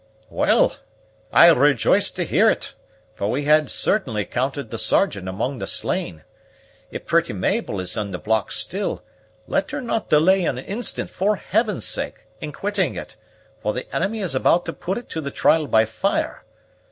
"Well I rejoice to hear it, for we had certainly counted the Sergeant among the slain. If pretty Mabel is in the block still, let her not delay an instant, for heaven's sake, in quitting it, for the enemy is about to put it to the trial by fire.